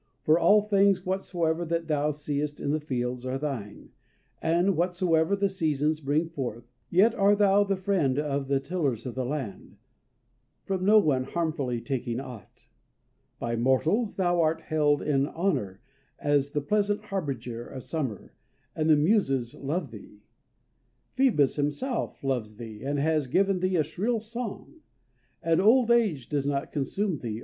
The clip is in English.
For all things whatsoever that thou seest in the fields are thine, and whatsoever the seasons bring forth. Yet art thou the friend of the tillers of the land, from no one harmfully taking aught. By mortals thou art held in honor as the pleasant harbinger of summer; and the Muses love thee. Phoebus himself loves thee, and has given thee a shrill song. And old age does not consume thee.